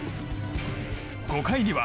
５回には。